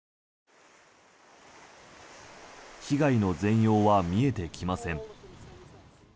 被害の全容は見えてきません。